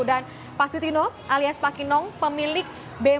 dan pak sutino alias pak kinong pemilik bukit